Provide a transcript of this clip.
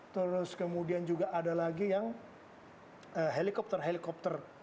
terus kemudian juga ada lagi yang helikopter helikopter